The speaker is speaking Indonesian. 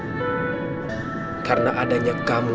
dan paling penting adalah untuk kamu